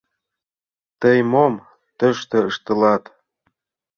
— Тый мом тыште ыштылат?